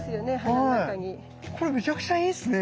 これめちゃくちゃいいっすね。